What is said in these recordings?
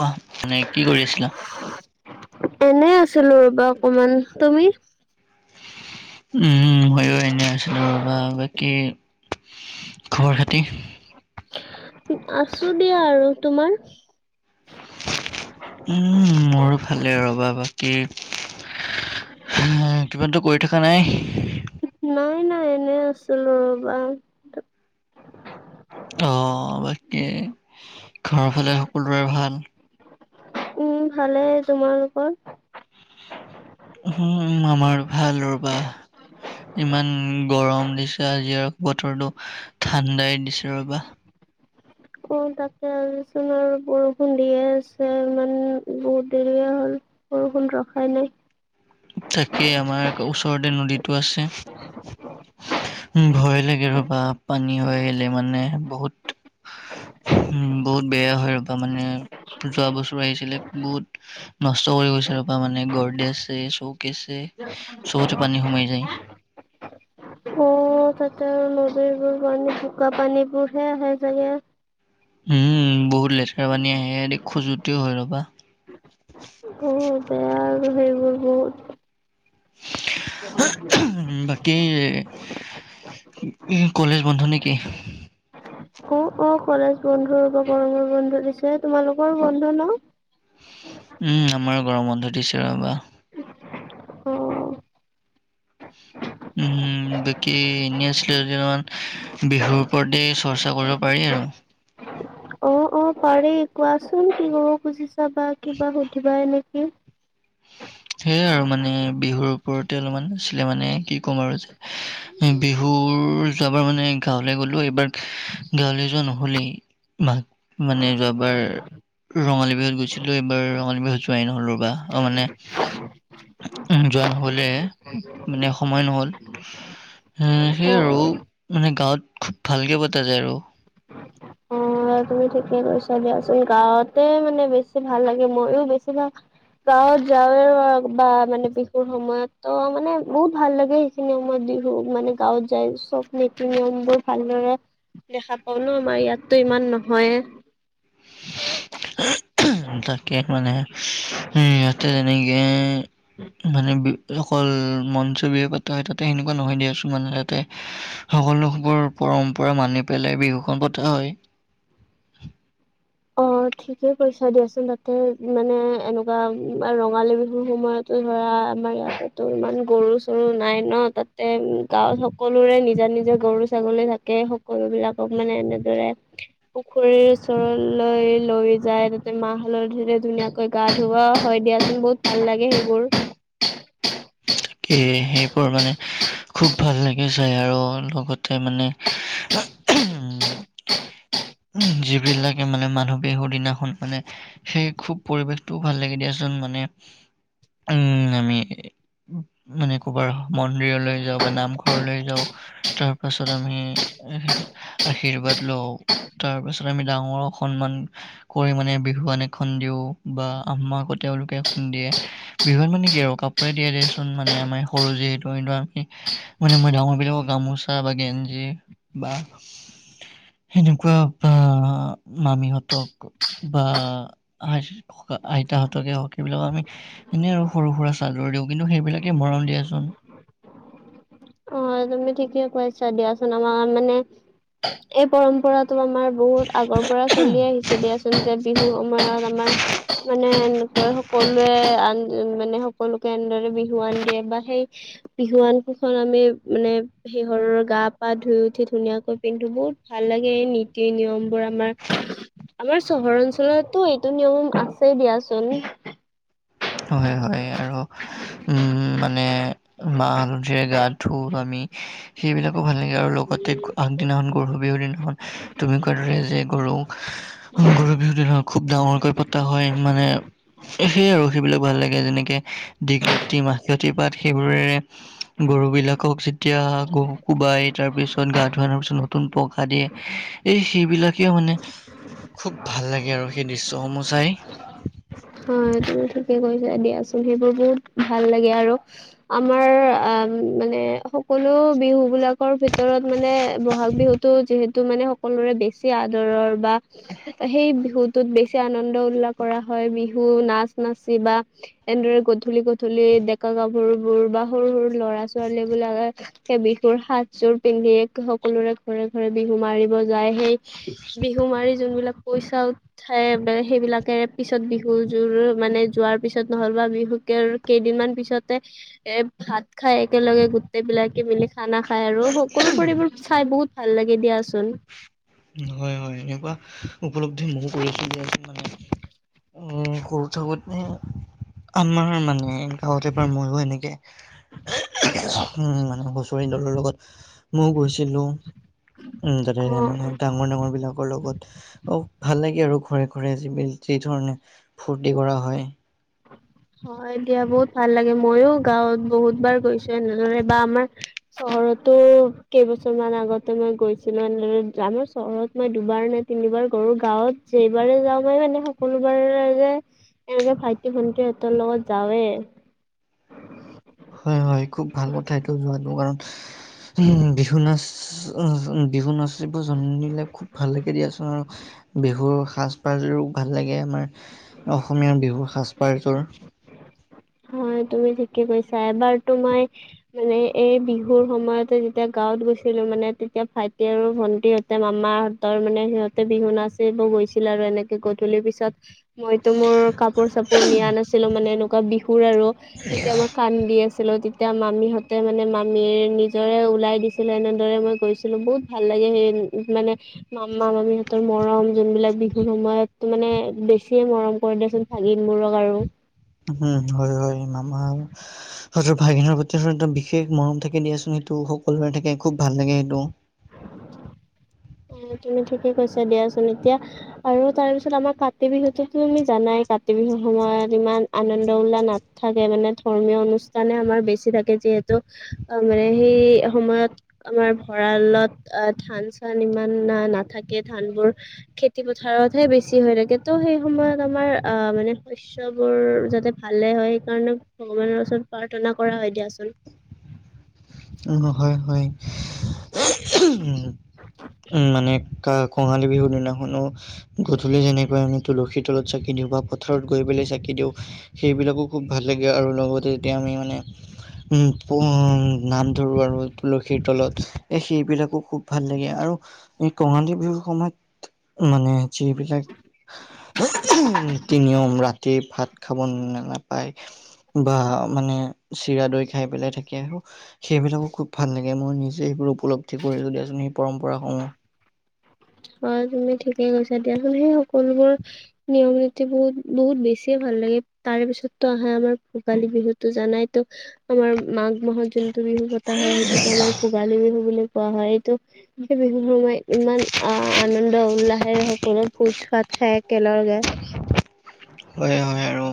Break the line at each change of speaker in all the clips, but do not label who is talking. কোৱা মানে কি কৰি আছিলা?
এনে আছিলো ৰবা অকমান, তুমি?
উম ময়ো এনে আছিলো ৰবা, বাকী খবৰ - খাতি?
উম আছো দিয়া আৰু তোমাৰ?
উম মোৰো ভালেই ৰবা বা। কি হে কিবাতো কৰি থকা নাই?
নাই নাই এনে আছিলোঁ ৰবা।
অ, বাকী ঘৰৰ ফালে সকলোৰে ভাল?
উম ভালে, তোমালোকৰ?
উহুম আমাৰ ভাল ৰবা। ইমান গৰম দিছে আজি আৰু বতৰটো, ঠাণ্ডাই দিছে ৰ'বা।
অ তাকে আহিছিলোঁ অলপ বৰষুণ দিয়ে আছে, ইমান বহুত দেৰিয়ে হ'ল। বৰষুণ ৰখাই নাই।
তাকেই আমাৰ ওচৰতে নদীটো আছে। উম ভয় লাগে ৰবা, পানী হৈ আহিলে মানে বহুত হু উম বহুত বেয়া হয় ৰবা মানে যোৱা বছৰো আহিছিলে বহুত নষ্ট কৰি গৈছে ৰবা মানে গৰ্দে আছে, চৌকে আছে, চবতে পানী সোমাই যায়।
অ'। তাতে নদীৰবোৰ পানী বোকা পানীবোৰহে আহে চাগে।
উম' বহুত লেতেৰা পানী আহে, এ খোজোতিও হৈ ৰ'বা।
অ', বেয়া আৰু সেইবোৰ বহুত। [unintelligible]
উম' বাকী কলেজ বন্ধ নেকি?
অ অ কলেজ বন্ধ ৰবা, গৰমৰ বন্ধ দিছে। তোমালোকৰ বন্ধ ন?
উম' আমাৰো গৰম বন্ধ দিছে ৰ'বা।
অ'।
উম'। বাকী এনেই আছিলো [unintelligible] বিহুৰ ওপৰতে চৰ্চা কৰিব পাৰি আৰু।
অ', অ', পাৰি কোৱাচোন, কি ক'ব খুজিছা বা কিবা সুধিবা নেকি?
সেয়াই আৰু, মানে বিহুৰ ওপৰতে অলপমান আছিলে। মানে কি ক'ম আৰু যে? বিহুৰ যোৱাবাৰ মানে গাঁৱলে গলো, এইবাৰ গাঁৱলে যোৱা নহলেই। মাক, মানে যোৱাবাৰ ৰঙালী বিহুত গৈছিলোঁ। এইবাৰ ৰঙালী বিহুত যোৱাই নহল ৰ'বা, অ মানে উম যোৱা নহলে, মানে সময় নহল। উম সেইয় আৰু
অ',
মানে গাঁৱত খুব ভালকে পতা যায় আৰু।
অ', অ', তুমি ঠিকে কৈছা দিয়াচোন, গাঁৱতে মানে বেছি ভাল লাগে। ময়ো বেছি ভাগ গাঁৱত যাওঁৱে আৰু, বা মানে বিহুৰ সময়ততো মানে বহুত ভাল লাগে। নীতি-নিয়মত বিহুক মানে গাঁৱত যায় চব নীতি-নিয়মবোৰ ভালদৰে দেখা পাও ন, আমাৰ ইয়াতটো ইমান নহয়ে।
তাকে মানে, এ ইয়াতে যেনেকে মানে অকল মঞ্চ বিহু পাতা হয়, তাতে সেনেকুৱা নহয় দিয়াচোন মানে তাতে। সকলোবোৰ পৰম্পৰা মানি পেলাই বিহুখন পতা হয়।
অ ঠিকে কৈছা দিয়াচোন, তাতে মানে এনেকুৱা ৰঙালী বিহুৰ সময়ত ধৰা, আমাৰ ইয়াতেতো ইমান গৰু-চৰু নাই ন, তাতে গাঁৱত সকলোৰে নিজা নিজা গৰু-ছাগলী থাকে, সকলো বিলাকক মানে এনেদৰে পুখুৰীৰ ওচৰত লয় লৈ যায়, তাতে মাহ-হালধিৰে ধুনীয়াকৈ গা ধুওৱা হয় দিয়াচোন। বহুত ভাল লাগে সেইবোৰ।
তাকে সেইবোৰ মানে খুব ভাল লাগি যায় আৰু লগতে মানে [unintelligible]
[inaudible]
যিবিলাকে মানে মানুহ বিহুৰ দিনাখন মানে সেই খুব পৰিৱেশটোও ভাল লাগে দিয়াচোন, মানে উম, আমি মানে, ক'বাৰ মন্দিৰলৈ যাওঁ বা নামঘৰলৈ যাওঁ। তাৰ পাছত আমি আশীৰ্বাদ লওঁ। তাৰপিছত আমি ডাঙৰক সন্মান কৰি মানে, বিহুৱান এখন দিও বা আমাকো তেওঁলোকে এখন দিয়ে। বিহুত মানে কি আৰু কাপোৰে দিয়ে দিয়াচোন, মানে, আমাৰ সৰু যিহেতু, কিন্তু আমি মানে, মই ডাঙৰবিলাকক গামোচা বা গেঞ্জি বা সেনেকুৱা বা মামিহঁতক বা আ-আইতাহঁতকে হওক এইবিলাকক আমি এনে আৰু সৰু-সুৰা চাদৰ দিওঁ, কিন্তু সেইবিলাকে মৰম দিয়াচোন।
অ তুমি ঠিকে কৈছা দিয়াচোন, আমাৰ মানে এই পৰম্পৰা ত' আমাৰ বহুত আগৰ পৰা চলি আহিছে দিয়াচোন বিহু সময়ত আমাৰ মানে এনেকৈ সকলোৱে আন মানে সকলোকে এনেদৰে বিহুৱান দিয়ে বা সেই বিহুৱান কেইখন আমি মানে হেহৰ গা পা ধুই উঠি ধুনীয়াকৈ পিন্ধো বহুত ভাল লাগে এই নীতি নিয়ম বোৰ আমাৰ। আমাৰ চহৰ অঞ্চলতো এইটো নিয়ম আছে দিয়াচোন।
হয় হয় আৰু মানে মাহ হালধিৰে গা ধুও আমি। সেইবিলাকো ভাল লাগে আৰু লগতে আগদিনাখন গৰু বিহুৰ দিনাখন তুমি কোৱা দৰে যে গৰু গৰু বিহু দিনা খুব ডাঙৰকৈ পতা হয় মানে সেইয়ে আৰু। সেইবিলাক ভাল লাগে যেনেকে দীঘলতি মাখিয়তী পাত সেইবোৰেৰে গৰু বিলাকক যেতিয়া গৰু কোবাই তাৰ পিছত গা ধুৱাৰ পিছত নতুন পসাদ দিয়ে। এই সেইবিলাকে মানে খুব ভাল লাগে আৰু সেই দৃশ্যসমূহ চাই।
অ' অঁ তুমি ঠিকে কৈছে দিয়াচোন সেইবোৰ বহুত ভাল লাগে আৰু আমাৰ আ মানে সকলো বিহু বিলাক ভিতৰত মানে ব'হাগ বিহুটো যিহেতু মানে সকলোৰে বেছি আদৰৰ বা সেই বিহুটোত বেছি আনন্দ উল্লাস কৰা হয়, বিহু নাচ নাচি বা এনেদৰে গধূলি গধূলি ডেকা গাভৰুবোৰ বা সৰু সৰু ল'ৰা ছোৱালী বিলাকে সেই বিহুৰ সাজযোৰ পিন্ধি সকলোৰে ঘৰে ঘৰে বিহু মাৰিব যায়। সেই বিহু মাৰি যোনবিলাক পইচা উঠাই সেইবিলাকে পিছত বিহু তোৰ মানে যোৱাৰ পিছত নহ'ল বা বিহুৰ কেইদিনমান পিছতে এ ভাত খাই একেলগে গোটেই বিলাকে মিলি খানা খাই আৰু সকলোবোৰ এইবোৰ চাই বহুত ভাল লাগে দিয়াচোন।
হয় হয়, এনেকুৱা উপলব্ধি মইও কৰিছিলো যে মানে সৰু থাকোঁতে আমাৰ মানে গাঁৱত এবাৰ মইও এনেকে উম মানে হুচৰি দলৰ লগত মইও গৈছিলো। উম তাতে
অ',
মানে ডাঙৰ ডাঙৰ বিলাকৰ লগত অ ভাল লাগে আৰু ঘৰে ঘৰে যি যি ধৰণে ফূৰ্তি কৰা হয়।
হয় দিয়া বহুত ভাল লাগে মইও গাঁৱত বহুত বাৰ গৈছো এনেদৰে বা আমাৰ চহৰতো কেইবছৰমান আগতে মই গৈছিলো এনেদৰে আমাৰ চহৰত মই দুবাৰ নে তিনিবাৰ গলো, গাঁৱত যেইবাৰে যাওঁ মই মানে সকলোবাৰে যে এনেকে ভা ইটি ভণ্টি সিহঁতৰ লগত যাওঁৱে।
হয় হয় খুব ভাল কথা এইটো যোৱাটো কাৰণ, বিহু নাচ বিহু নাচিব জানিলে খুব ভাল লাগে দিয়াচোন আৰু বিহুৰ সাজপাৰ যোৰো ভাল লাগে আমাৰ অসমীয়া বিহুৰ সাজপাৰ যোৰ।
হয় তুমি ঠিকে কৈছা এবাৰ তো মই মানে এই বিহুৰ সময়তে যেতিয়া গাঁৱত গৈছিলো মানে তেতিয়া ভাইটি আৰু ভন্টিয়ে মামাহঁতৰ মানে সিহঁতে বিহু নাচিব গৈছিলে আৰু এনেকে গধূলি পিছত মইতো মোৰ কাপোৰ চাপোৰ নিয়া নাছিলো মানে এনেকুৱা বিহুৰ আৰু তেতিয়া মই কান্দি আছিলোঁ তেতিয়া মামীহঁতে মানে মামীয়ে নিজৰে ওলাই দিছিলে এনেদৰে মই গৈছিলোঁ বহুত ভাল লাগে সেই উম মানে মামা মামীহঁতৰ মৰম যোনবিলাক বিহুৰ সময়তটো মানে বেছিয়ে মৰম কৰে দিয়াচোন। ভাগিন বোৰক আৰু।
উম হয় হয় মামা সঁতৰ ভাগিনৰ প্ৰতিটা বিশেষ মৰম থাকে দিয়াচোন সেইটো সকলোৰে থাকে খুব ভাল লাগে সেইটো
অ তুমি ঠিকে কৈছা দিয়াচোন এতিয়া আৰু তাৰ পিছত আমাৰ কাতি বিহুতো তুমি জানাই কাতি বিহু সময়ত ইমান আনন্দ উল্লাহ নাথাকে মানে ধৰ্মীয় অনুষ্ঠানে আমাৰ বেছি থাকে যিহেতু অ মানে সেই সময়ত আমাৰ ভঁৰালত অ ধান চান ইমান নাথাকে ধানবোৰ খেতি পথাৰতহে বেছি হৈ থাকে ত' সেই সময়ত আমাৰ আহ মানে শস্যবোৰ যাতে ভালে হয় সেইকাৰণে ভগৱানৰ ওচৰত প্ৰাৰ্থনা কৰা হয় দিয়াচোন
উ হয় হয় উ মানে কা কঙালী বিহু দিনাখনো গধূলি যেনেকৈ আমি তুলসীৰ তলত চাকি দিওঁ বা পথাৰত গৈ পেলাই চাকি দিওঁ সেইবিলাকো খুব ভাল লাগে আৰু লগতে যেতিয়া আমি মানে উম পো নাম ধৰোঁ আৰু তুলসীৰ তলত এই সেইবিলাকো খুব ভাল লাগে আৰু এই কঙালী বিহু সময়ত মানে যিবিলাক নীতি নিয়ম ৰাতি ভাত খাব ন নাপায় বা মানে চিৰা দৈ খাই পেলাই থাকি আৰু সেইবিলাকো খুব ভাল লাগে মই নিজে সেইবোৰ উপলব্ধি কৰিছোঁ দিয়াচোন সেই পৰম্পৰাসমূহ
অ তুমি ঠিকে কৈছা দিয়াচোন সেই সকলোবোৰ নিয়ম নীতি বহুত বহুত বেছিয়ে ভাল লাগে তাৰে পিছততো আহে আমাৰ ভোগালী বিহুতো জানাইতো আমাৰ মাঘ মাহত যোনটো বিহু পতা হয় সেইটোকে আমাৰ ভোগালী বিহু বুলি কোৱা হয় এইটো সেই বিহু সময় ইমান অ আনন্দ উল্লাহেৰে সকলো ভোজ ভাত খায় একেলগে
হয় হয় আৰু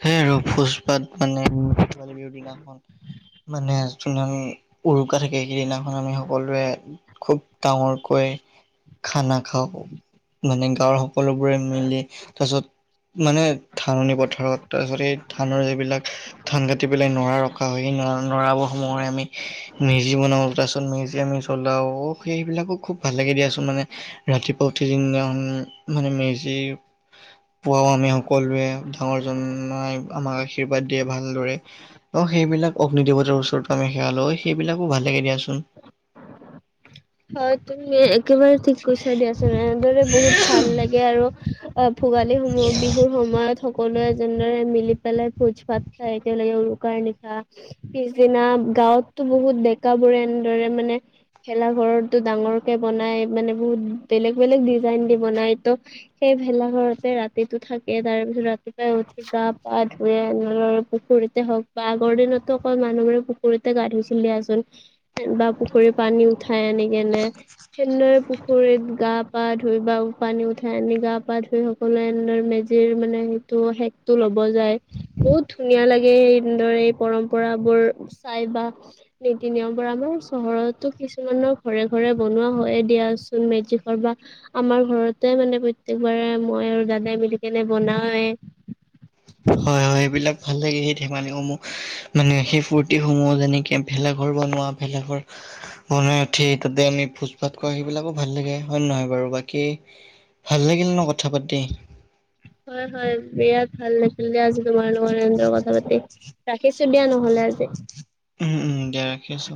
সেইয় আৰু ভোজ ভাত মানে ভোগালী বিহুৰ দিনাখন মানে যোন উৰুকা থাকে সেইদিনাখন আমি সকলোৱে খুব ডাঙৰকৈ খানা খাওঁ মানে গাঁৱৰ সকলোবোৰে মিলি তাৰপিছত মানে ধাননি পথাৰত তাৰপিছত এই ধাননি বিলাক ধান কাটি পেলাই নৰা ৰখা হয় সেই নৰা নৰাবৰ সোমোৱাই আমি মেজি বনাও তাৰচত মেজি আমি জ্বলাও সেই সেবিলাকো খুব ভাল লাগে দিয়াচোন মানে ৰাতি পোৱা উঠি কিনে মানে মেজি পুৱাও আমি সকলোৱে ডাঙৰ জনাই আমাক আশীৰ্বাদ দিয়ে ভালদৰে অ সেইবিলাক অগ্নি দেৱতাৰ ওচৰত আমি সেৱা লৈ অ সেইবিলাকো ভাল লাগে দিয়াচোন
হয় তুমি একেবাৰে ঠিক কৈছা দিয়াচোন এনেদৰে বহুত ভাল লাগে আৰু অ ভোগালীসমূহ বিহুৰ সময়ত সকলোৱে এ যেনেদৰে মিলি পেলাই ভোজ ভাত খাই একেলগে উৰুকাৰ নিশা পিছদিনা গাঁৱততো বহুত ডেকা বোৰে এনেদৰে মানে খেলা ঘৰতো ডাঙৰ কে বনাই মানে বহুত বেলেগ বেলেগ ডিজাইন দি বনাই তো সেই ভেলাঘৰতে ৰাতিটো থাকে তাৰ পিছত ৰাতিপুৱাই উঠি গা পা ধুুৱে, নহলে পুখুৰীত হওক বা আগৰ দিনতো অকল মানুহবোৰে পুখুৰীতে গা ধুইছিল দিয়াচোন বা পুখুৰীৰ পানী উঠাই আনি কেনে তেনেদৰে পুখুৰীত গা পা ধুই বা পানী উঠাই আনি গা পা ধুই হওক কলে মেজিৰ মানে সেইটো শেকটো ল'ব যায় বহুত ধুনীয়া লাগে হেনেদৰে এই পৰম্পৰাবোৰ চাই বা নীতি নিয়মবোৰ আমাৰ চহৰতো কিছু কিছুমানৰ ঘৰে ঘৰে বনোৱা হয় দিয়াচোন মেজিকৰ বা আমাৰ ঘৰতে মানে প্ৰত্যেকবাৰে মই আৰু দাদাই মিলি কেনে বনাওয়ে
হয় হয় এইবিলাক ভাল লাগে সেই ধেমালি সমূহ মানে সেই ফূুৰ্তি সমূহ যেনেকে ভেলাঘৰ বনোৱা ভেলাঘৰ বনাই উঠি তাতে আমি ভোজ ভাত খোৱা সেইবিলাকো ভাল লাগে হয় নে নহয় বাৰু বাকী ভাল লাগিল ন কথা পাতি
হয় হয় বিৰাট ভাল লাগিল দে আজি তোমাৰ লগত এনেদৰে কথা পাতি ৰাখিছো দিয়া নহলে আজি
উম উম দিয়া ৰাখিছো